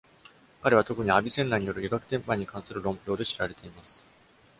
彼は特に、アビセンナによる「医学典範」に関する論評で知られています。